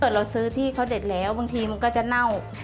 เราซื้อที่เขาเด็ดแล้วบางทีมันก็จะเน่า